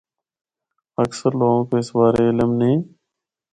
اکثر لوگاں کو اس بارے علم نیں۔